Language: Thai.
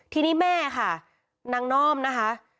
ทีนี้แม่ค่ะนางน่อมนะคะ